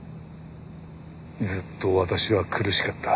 ずっと私は苦しかった。